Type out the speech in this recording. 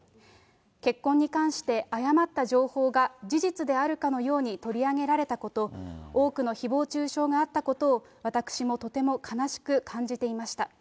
結婚に関して、誤った情報が事実であるかのように取り上げられたこと、多くのひぼう中傷があったことを、私もとても悲しく感じていました。